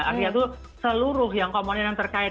artinya itu seluruh yang komponen yang terkait